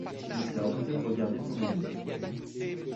Niklausse regardait son ami.